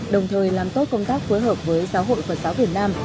đồng thời làm tốt công tác phối hợp với giáo hội phật giáo việt nam